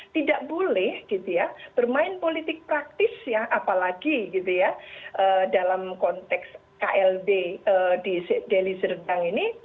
tidak boleh bermain politik praktis apalagi dalam konteks klb di delhi sirdang ini